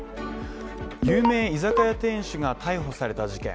有名居酒屋店主が逮捕された事件。